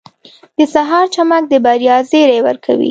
• د سهار چمک د بریا زیری ورکوي.